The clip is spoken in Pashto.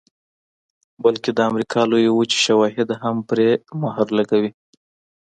بلکې د امریکا لویې وچې شواهد هم پرې مهر لګوي